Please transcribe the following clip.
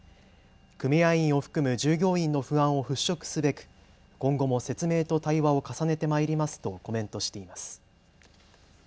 組合員を含む従業員の不安を払拭すべく今後も説明と対話を重ねてまいりますとコメントしています。